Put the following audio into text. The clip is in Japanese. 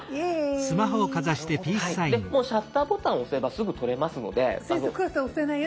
もうシャッターボタンを押せばすぐ撮れますので。